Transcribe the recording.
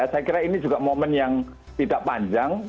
saya kira ini juga momen yang tidak panjang